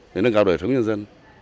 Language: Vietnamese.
để nâng cao đổi sống nhân dân